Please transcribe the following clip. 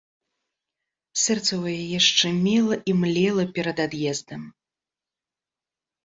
Сэрца ў яе шчымела і млела перад ад'ездам.